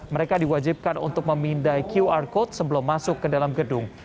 mereka diwajibkan untuk memindai qr code sebelum masuk ke dalam gedung